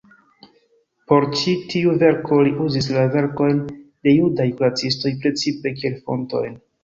Por ĉi tiu verko li uzis la verkojn de judaj kuracistoj precipe kiel fontojn.